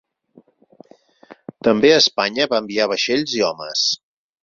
També Espanya va enviar vaixells i homes.